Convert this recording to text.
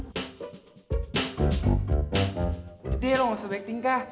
udah deh lo gak usah baik tingkah